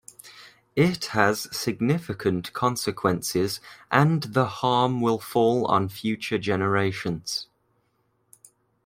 It has significant consequences and the harm will fall on future generations.